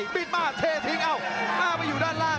ปิดมาเททิ้งเอ้าหน้าไปอยู่ด้านล่าง